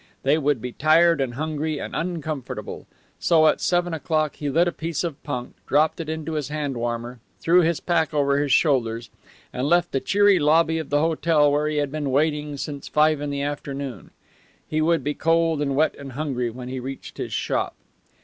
They would be tired and hungry and uncomfortable. So at seven o'clock he lit a piece of punk, dropped it into his hand warmer, threw his pack over his shoulders, and left the cheery lobby of the hotel where he had been waiting since five in the afternoon. He would be cold and wet and hungry when he reached his shop.